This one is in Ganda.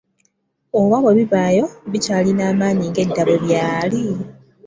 Oba bwe bibaayo bikyalina amaanyi ng’edda bwe byali?